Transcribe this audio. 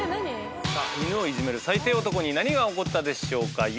犬をいじめる最低男に何が起こったでしょうか？